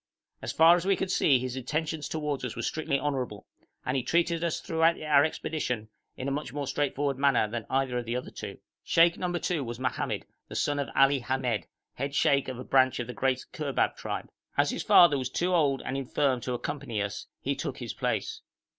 As far as we could see his intentions towards us were strictly honourable, and he treated us throughout our expedition in a much more straightforward manner than either of the other two. Sheikh number two was Mohammed, the son of Ali Hamed, head sheikh of a branch of the great Kurbab tribe. As his father was too old and infirm to accompany us, he took his place.